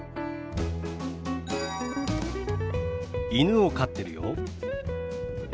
犬を飼ってるよ。